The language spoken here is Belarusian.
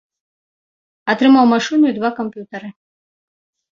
Атрымаў машыну і два камп'ютары.